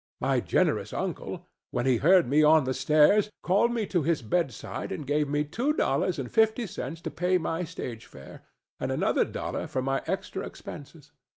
My generous uncle, when he heard me on the stairs, called me to his bedside and gave me two dollars and fifty cents to pay my stage fare, and another dollar for my extra expenses.